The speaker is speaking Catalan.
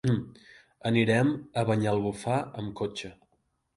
Anirem a Banyalbufar amb cotxe.